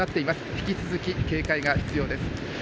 引き続き警戒が必要です。